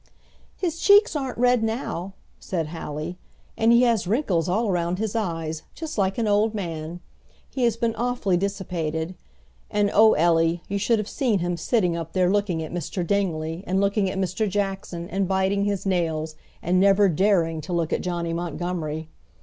"His cheeks aren't red now," said Hallie; "and he has wrinkles all around his eyes, just like an old man. He has been awfully dissipated. And, oh Ellie, you should have seen him sitting up there looking at Mr. Dingley and looking at Mr. Jackson, and biting his nails, and never daring to look at Johnny Montgomery.